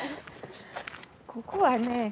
ここはね